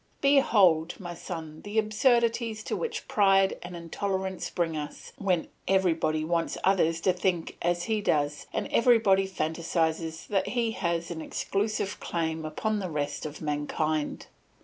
"Behold, my son, the absurdities to which pride and intolerance bring us, when everybody wants others to think as he does, and everybody fancies that he has an exclusive claim upon the rest of mankind.